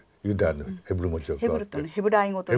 ヘブルというのはヘブライ語という。